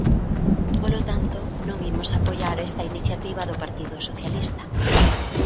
Polo tanto, non imos apoiar esta iniciativa do Partido Socialista.